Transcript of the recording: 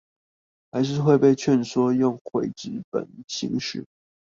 還是會被勸說用回紙本形式